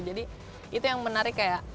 jadi itu yang menarik kayak